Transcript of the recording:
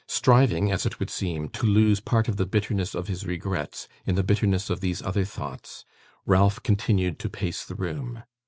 Striving, as it would seem, to lose part of the bitterness of his regrets in the bitterness of these other thoughts, Ralph continued to pace the room.